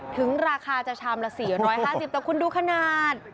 ถึงราคาจะชามละ๔หน่อย๕๐บาทแต่คุณดูขนาด